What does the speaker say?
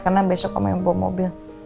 karena besok kamu yang bawa mobil